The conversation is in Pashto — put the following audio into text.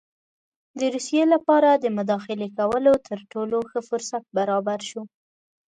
د روسیې لپاره د مداخلې کولو تر ټولو ښه فرصت برابر شو.